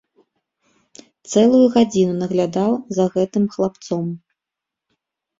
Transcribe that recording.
Цэлую гадзіну наглядаў за гэтым хлапцом.